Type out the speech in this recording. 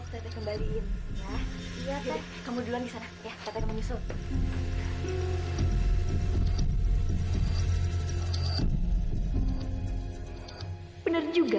teteh pinjem duluya